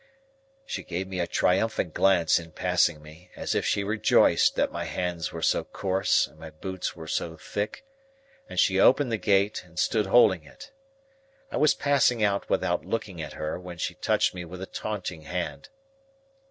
She gave me a triumphant glance in passing me, as if she rejoiced that my hands were so coarse and my boots were so thick, and she opened the gate, and stood holding it. I was passing out without looking at her, when she touched me with a taunting hand.